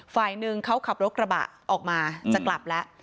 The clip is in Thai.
ฝ่ายหนึ่งเขาขับรถกระบะออกมาจะกลับแล้ว